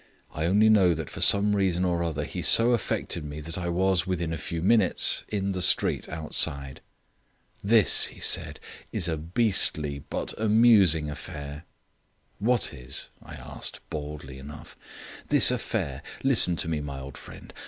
I only know that for some reason or other he so affected me that I was, within a few minutes, in the street outside. "This," he said, "is a beastly but amusing affair." "What is?" I asked, baldly enough. "This affair. Listen to me, my old friend.